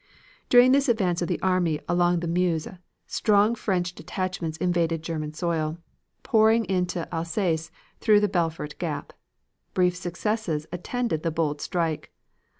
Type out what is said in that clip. During this advance of the Army of the Meuse, strong French detachments invaded German soil, pouring into Alsace through the Belfort Gap. Brief successes attended the bold stroke.